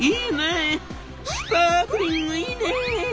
「スパークリングいいね！」。